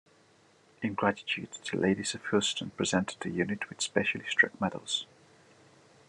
In gratitude, the ladies of Houston presented the unit with specially struck medals.